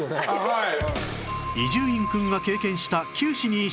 はい。